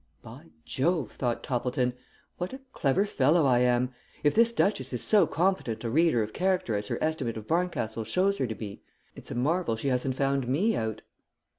"By Jove!" thought Toppleton. "What a clever fellow I am! If this duchess is so competent a reader of character as her estimate of Barncastle shows her to be, it's a marvel she hasn't found me out."